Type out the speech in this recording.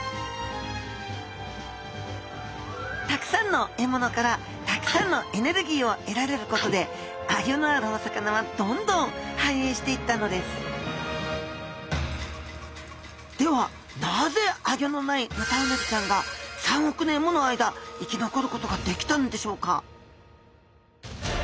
たくさんの獲物からたくさんのエネルギーをえられることでアギョのあるお魚はどんどん繁栄していったのですではなぜアギョのないヌタウナギちゃんが３億年もの間生き残ることができたのでしょうか？